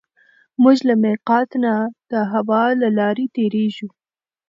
موږ له مېقات نه د هوا له لارې تېرېږو.